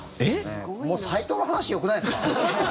もうサイトウの話よくないですか？